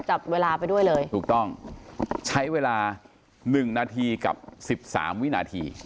จับเวลาไปด้วยเลยถูกต้องใช้เวลา๑นาทีกับสิบสามวินาที